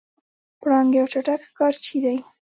پړانګ یو چټک ښکارچی دی.